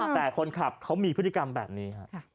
แต่คนขับเขามีพฤติกรรมแบบนี้ฮะ